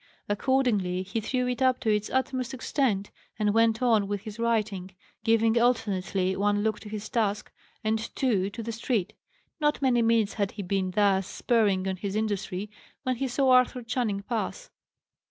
Accordingly, he threw it up to its utmost extent, and went on with his writing, giving alternately one look to his task, and two to the street. Not many minutes had he been thus spurring on his industry, when he saw Arthur Channing pass.